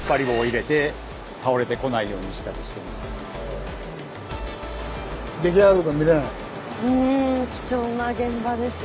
ああいううん貴重な現場ですね。